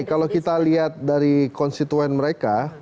kalau kita lihat dari konstituen mereka